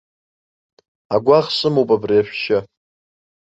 Агәаӷ сымоуп абри ашәшьы.